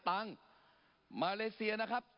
ปรับไปเท่าไหร่ทราบไหมครับ